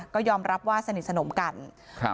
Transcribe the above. ก็ยอมรับว่าสนิทสนมกันครับ